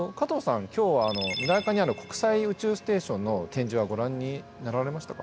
今日は未来館にある国際宇宙ステーションの展示はご覧になられましたか？